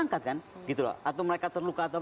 angkat kan gitu loh atau mereka terluka atau